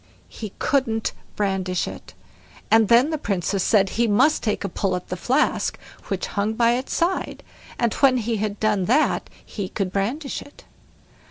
He couldn't brandish it, and then the Princess said he must take a pull at the flask which hung by its side, and when he had done that he could brandish it.